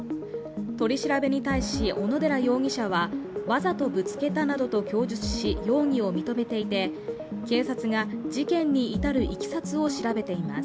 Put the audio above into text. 取り調べに対し小野寺容疑者はわざとぶつけたなどと供述し、容疑を認めていて、警察が事件に至るいきさつを調べています。